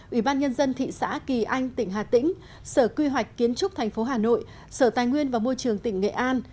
ủy ban nhân dân thị xã kỳ anh tỉnh hà tĩnh sở quy hoạch kiến trúc thành phố hà nội sở tài nguyên và môi trường tỉnh nghệ an